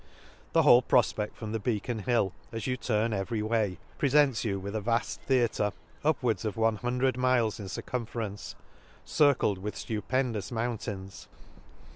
—The whole profpedt from the beacon hill 54 An Excursion to hill as you turn every way, prefents you with a vafl theatre, upwards of one hun dred miles in circumference, circled with Stupendous mountains..